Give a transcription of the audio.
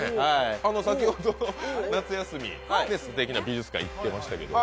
先ほど、夏休み、すてきな美術館行ってましたけど。